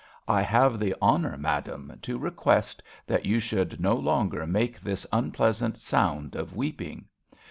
I have the honour, madam, to request that you should no longer make this unpleasant sound of weeping.